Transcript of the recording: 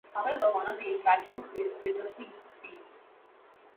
However, one of the interactions is with the Higgs field.